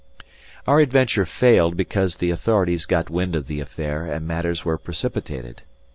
Our adventure failed because the authorities got wind of the affair and matters were precipitated.